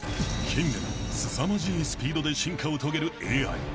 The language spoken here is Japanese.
［近年すさまじいスピードで進化を遂げるＡＩ］